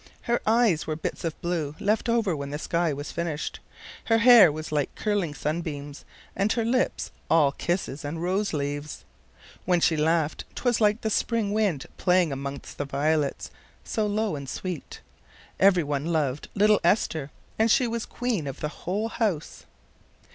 Her eyes were bits of blue left over when the sky was finished. Her hair was like curling sunbeams, and her lips all kisses and rose leaves. When she laughed 'twas like the spring wind playing amongst the violets, so low and sweet. Every one loved little Esther, and she was queen of the whole house.